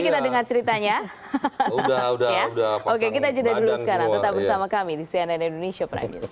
kita dengar ceritanya udah udah oke kita juga dulu sekarang tetap bersama kami di cnn indonesia